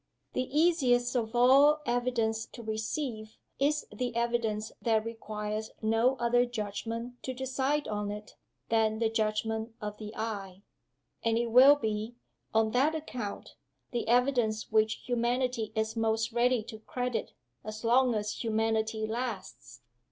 The easiest of all evidence to receive is the evidence that requires no other judgment to decide on it than the judgment of the eye and it will be, on that account, the evidence which humanity is most ready to credit, as long as humanity lasts.